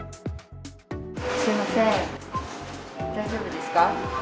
すみません、大丈夫ですか？